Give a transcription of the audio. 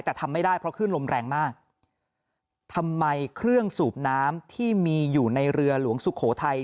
แต่ทำไม่ได้เพราะขึ้นลมแรงมากทำไมเครื่องสูบน้ำที่มีอยู่ในเรือหลวงสุโขทัย